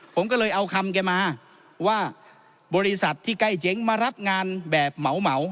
ผมก็เลยเอาคำแกมาว่าบริษัทที่ใกล้เจ๊งมารับงานแบบเหมา